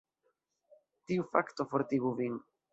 Tiu fakto fortigu vin.